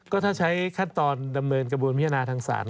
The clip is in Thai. ก็ถ้าใช้ขั้นตอนดำเนินกระบวนพิจารณาทางศาล